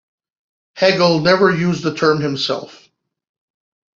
Hegel never used the term himself.